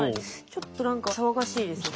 ちょっと何か騒がしいですよ。